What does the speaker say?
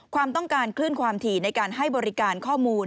ความต้องการคลื่นความถี่ในการให้บริการข้อมูล